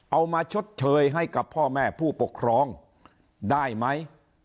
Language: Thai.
มาชดเชยให้กับพ่อแม่ผู้ปกครองได้ไหม